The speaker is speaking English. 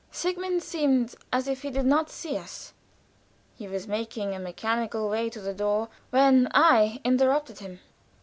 Sigmund seemed as if he did not see us. He was making a mechanical way to the door, when I interrupted him.